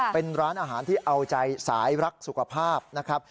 เป็นร้านอาหารที่เอาใจสายรักสุขภาพนะครับ